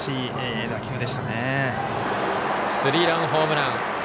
スリーランホームラン。